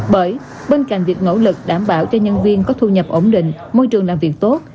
bởi bên cạnh việc nỗ lực đảm bảo cho nhân viên có thu nhập ổn định môi trường làm việc tốt